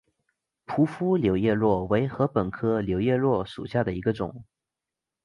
匍匐柳叶箬为禾本科柳叶箬属下的一个种。